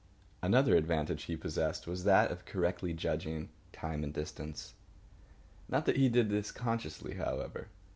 Another advantage he possessed was that of correctly judging time and distance. Not that he did this consciously, however.